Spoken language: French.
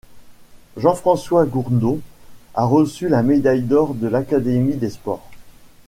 Jean-Francois Gourdon a reçu la médaille d'or de l'Académie des Sports.